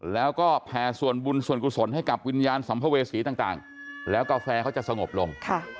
แล้วก็แผ่ส่วนบุญส่วนกุศลให้กับวิญญาณสัมภเวษีต่างแล้วกาแฟเขาจะสงบลง